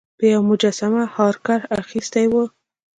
یوه مجسمه هارکر اخیستې وه.